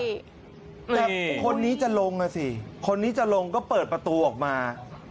แต่คนนี้จะลงอ่ะสิคนนี้จะลงก็เปิดประตูออกมา